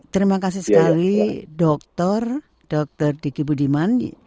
terima kasih sekali dokter dr diki budiman